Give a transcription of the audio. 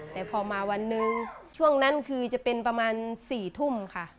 แต่พอมาวันหนึ่งช่วงนั้นคือจะเป็นประมาณ๔ทุ่มค่ะ